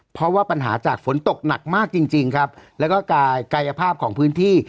เพราะว่าปัญหาจากฝนตกหนักมากจริงจริงครับแล้วก็กายภาพของพื้นที่